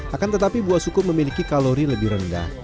akan tetapi buah suku memiliki kalori lebih rendah